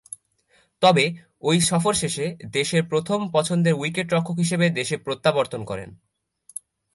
তবে, ঐ সফর শেষে দেশের প্রথম পছন্দের উইকেট-রক্ষক হিসেবে দেশে প্রত্যাবর্তন করেন।